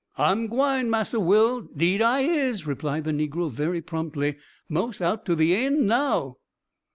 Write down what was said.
"I'm gwine, Massa Will deed I is," replied the negro very promptly "mos out to the eend now."